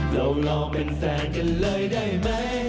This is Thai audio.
เรารอเป็นแฟนกันเลยได้ไหม